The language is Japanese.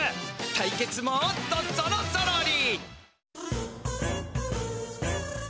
対決もっとぞろぞろり！